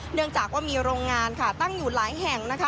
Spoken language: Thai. เนื่องจากว่ามีโรงงานค่ะตั้งอยู่หลายแห่งนะคะ